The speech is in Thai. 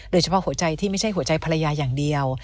โดยเฉพาะหัวใจที่ไม่ใช่หัวใจภรรยาอย่างเดียว